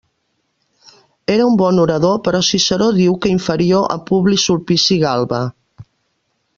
Era un bon orador però Ciceró diu que inferior a Publi Sulpici Galba.